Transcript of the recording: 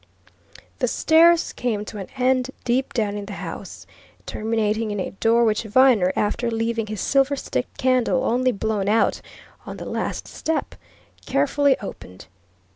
The stairs came to an end deep down in the house, terminating in a door which Viner, after leaving his silver sticked candle, only blown out, on the last step, carefully opened.